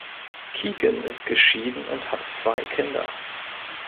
Keegan ist geschieden und hat zwei Kinder.